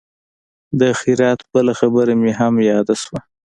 د خیرات بله خبره مې هم یاده شوه.